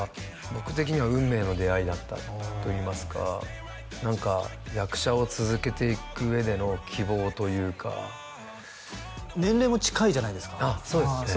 僕的には運命の出会いだったといいますか何か役者を続けていく上での希望というか年齢も近いじゃないですかあっそうですね